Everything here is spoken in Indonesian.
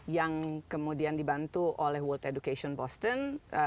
yang kemudian dibantu oleh world education boston